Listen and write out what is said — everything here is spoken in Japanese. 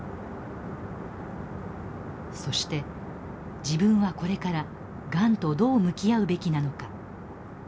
そして自分はこれからがんとどう向き合うべきなのか。